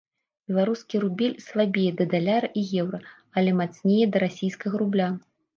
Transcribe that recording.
Беларускі рубель слабее да даляра і еўра, але мацнее да расійскага рубля.